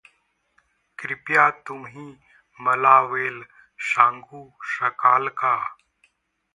कृपया तुम्ही मला वेळ सांगू शकाल का?